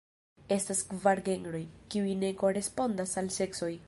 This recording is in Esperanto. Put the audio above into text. Estas kvar genroj, kiuj ne korespondas al seksoj.